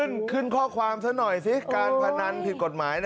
ขึ้นข้อความซะหน่อยสิการพนันผิดกฎหมาย